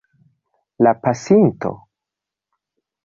La pasinto?